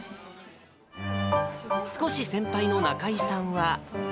少し先輩の仲居さんは。